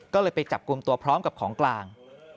ก็เลยไปจับกลุ่มตัวพร้อมกับของกลาง